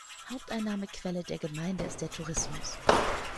Haupteinnahmequelle der Gemeinde ist der Tourismus.